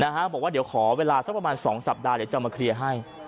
บอกว่าเดี๋ยวขอเวลาสักประมาณ๒สัปดาห์เดี๋ยวจะมาเคลียร์ให้